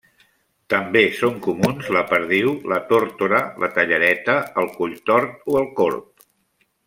També són comuns la perdiu, la tórtora, la tallareta, el colltort o el corb.